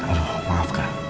aduh maaf kak